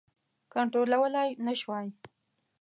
کنټرولولای نه شوای.